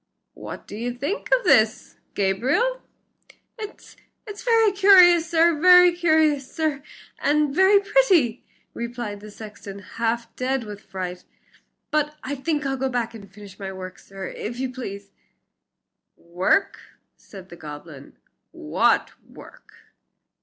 "What do you think of this, Gabriel?" "It's it's very curious, sir, very curious, sir, and very pretty," replied the sexton, half dead with fright. "But I think I'll go back and finish my work, sir, if you please." "Work!" said the goblin, "what work?"